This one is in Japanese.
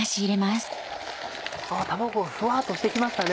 卵がフワっとしてきましたね。